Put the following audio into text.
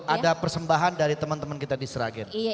ada persembahan dari teman teman kita di sera geng